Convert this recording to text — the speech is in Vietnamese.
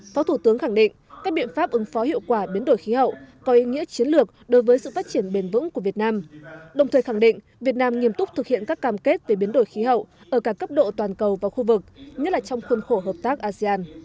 phó thủ tướng khẳng định các biện pháp ứng phó hiệu quả biến đổi khí hậu có ý nghĩa chiến lược đối với sự phát triển bền vững của việt nam đồng thời khẳng định việt nam nghiêm túc thực hiện các cam kết về biến đổi khí hậu ở cả cấp độ toàn cầu và khu vực nhất là trong khuôn khổ hợp tác asean